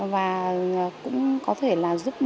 và cũng có thể là giúp